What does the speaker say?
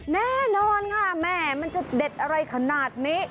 แน่นอนค่ะแม่มันจะเด็ดอะไรขนาดนี้